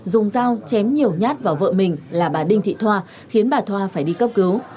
dùng dao chém nhiều nhát vào vợ mình là bà đinh thị thoa khiến bà thoa phải đi cấp cứu